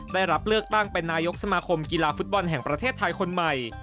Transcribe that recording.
ได้รับเลือกตั้งเป็นนายกสมาคมกีฬาฟุตบอลแห่งประเทศไทยคนใหม่